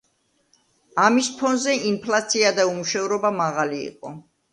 ამის ფონზე ინფლაცია და უმუშევრობა მაღალი იყო.